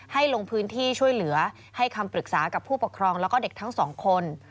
ลงพื้นที่ช่วยเหลือให้คำปรึกษากับผู้ปกครองแล้วก็เด็กทั้งสองคน